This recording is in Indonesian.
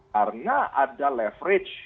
karena ada leverage